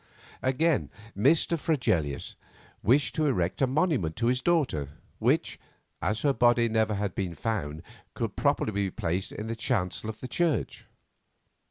Again, Mr. Fregelius wished to erect a monument to his daughter, which, as her body never had been found, could properly be placed in the chancel of the church.